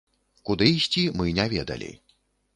Куды ісці мы не ведалі.